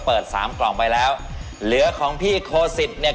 ไปแล้วเหลือของพี่โคศิษฐ์เนี่ย